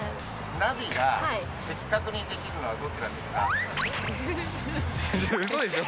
ナビが的確にできるのはどちうそでしょ？